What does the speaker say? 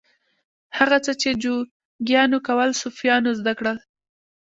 هغه څه چې جوګیانو کول صوفیانو زده کړل.